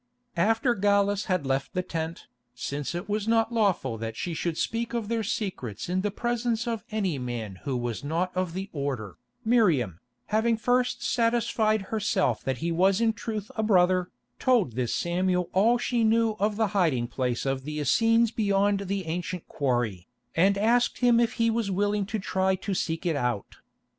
After Gallus had left the tent, since it was not lawful that she should speak of their secrets in the presence of any man who was not of the order, Miriam, having first satisfied herself that he was in truth a brother, told this Samuel all she knew of the hiding place of the Essenes beyond the ancient quarry, and asked him if he was willing to try to seek it out.